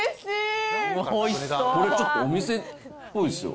これちょっと、お店っぽいですよ。